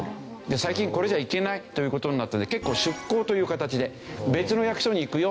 最近これじゃいけないという事になったので結構出向という形で別の役所に行くよ